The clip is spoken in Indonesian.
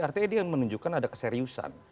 artinya dia menunjukkan ada keseriusan